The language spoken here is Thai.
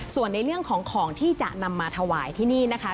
ส่วนในเรื่องของของที่จะนำมาถวายที่นี่นะคะ